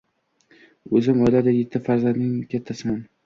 O’zim oilada yetti farzandning kattasiman.